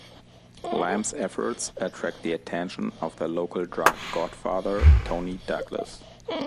Liam's efforts attract the attention of the local drug 'godfather', Tony Douglas.